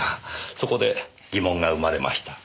そこで疑問が生まれました。